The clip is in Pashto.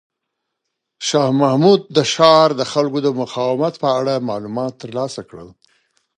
شاه محمود د ښار د خلکو د مقاومت په اړه معلومات ترلاسه کړل.